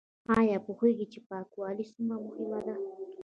ایا پوهیږئ چې پاکوالی څومره مهم دی؟